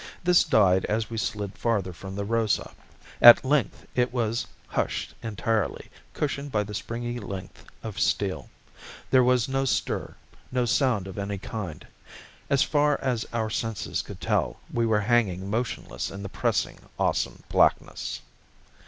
This died as we slid farther from the Rosa. At length it was hushed entirely, cushioned by the springy length of steel. There was no stir, no sound of any kind. As far as our senses could tell us, we were hanging motionless in the pressing, awesome blackness.